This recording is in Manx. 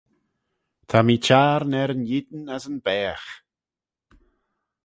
Ta mee Çhiarn er yn eeyn as yn baagh.